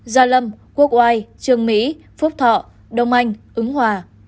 gia lâm quốc oai trương mỹ phúc thọ đông anh ứng hòa